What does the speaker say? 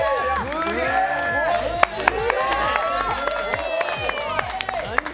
すごい！